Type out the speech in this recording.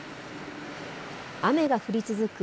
雨が降り続く